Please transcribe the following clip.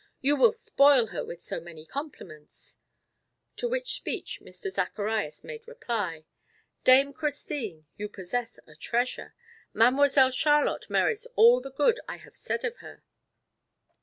You will spoil her with so many compliments." To which speech Mr. Zacharias made reply: "Dame Christine, you possess a treasure! Mademoiselle Charlotte merits all the good I have said of her."